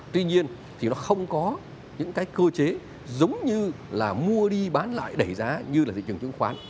tuy nhiên thì nó không có những cái cơ chế giống như là mua đi bán lại đẩy giá như là thị trường chứng khoán